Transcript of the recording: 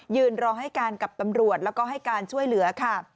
ยืนรอให้การกับตำรวจแล้วก็ให้การช่วยเหลือค่ะ